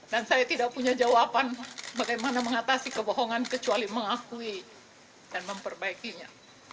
saya tidak punya jawaban bagaimana mengatasi kebohongan kecuali mengakui dan memperbaikinya